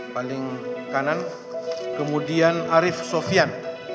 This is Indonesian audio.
paling kanan kemudian arief sofian